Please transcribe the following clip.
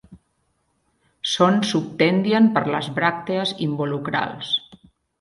Són subtendien per les bràctees involucrals.